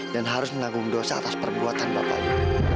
dan harus menanggung dosa atas perbuatan bapak lu